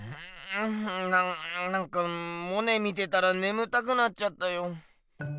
なんかモネ見てたらねむたくなっちゃったよ。